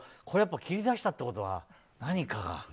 これは切り出したってことは何かが。